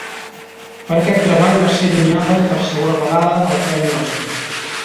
Per aquest treball va ser nominada per segona vegada al Premi Oscar.